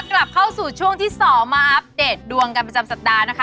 กลับเข้าสู่ช่วงที่๒มาอัปเดตดวงกันประจำสัปดาห์นะคะ